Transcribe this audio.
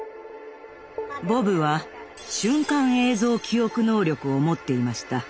ボブは瞬間映像記憶能力を持っていました。